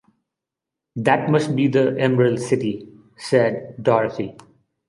"That must be the Emerald City," said Dorothy.